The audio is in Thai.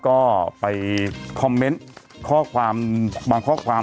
ก็ไปคอมเมนต์ข้อความบางข้อความ